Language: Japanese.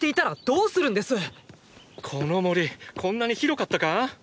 この森こんなに広かったか？